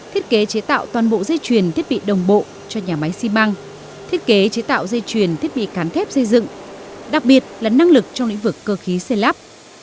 thiết kế chế tạo toàn bộ dây chuyền thiết bị đồng bộ cho nhà máy xi măng thiết kế chế tạo dây chuyển thiết bị cán thép xây dựng đặc biệt là năng lực trong lĩnh vực cơ khí xây lắp